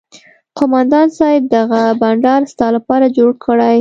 قومندان صايب دغه بنډار ستا لپاره جوړ کړى.